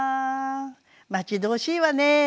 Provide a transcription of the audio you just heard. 待ち遠しいわね